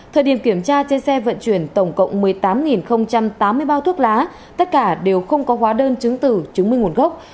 thời điểm kiểm tra trên xe vận chuyển tổng cộng một mươi tám tám mươi bao thuốc lá tất cả đều không có hóa đơn chứng tử chứng minh nguồn gốc